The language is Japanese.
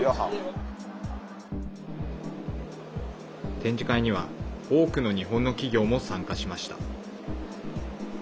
展示会には多くの日本の企業も参加しました。